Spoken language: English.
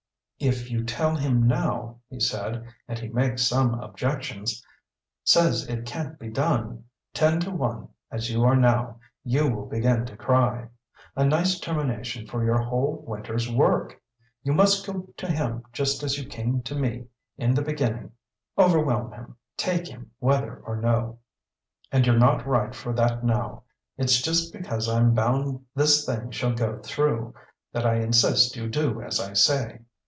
"If you tell him now," he said, "and he makes some objections, says it can't be done ten to one, as you are now, you will begin to cry. A nice termination for your whole winter's work! You must go to him just as you came to me in the beginning overwhelm him, take him whether or no. And you're not right for that now. It's just because I'm bound this thing shall go through, that I insist you do as I say."